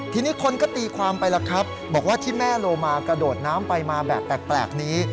ทีนี้คนก็ตีความไปแล้วครับบอกว่าที่แม่โลมากระโดดน้ำไปมาแบบแปลกนี้